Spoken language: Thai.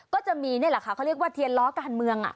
ก็จะมีนี่แหละค่ะเขาเรียกว่าเทียนล้อการเมือง